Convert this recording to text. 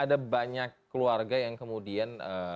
ada banyak keluarga yang kemudian